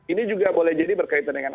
ini juga boleh jadi berkaitan dengan